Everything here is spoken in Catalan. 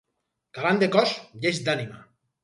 Galant de cos, lleig d'ànima.